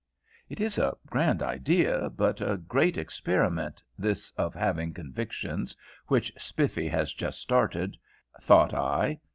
It is a grand idea but a great experiment this of having convictions, which Spiffy has just started, thought I.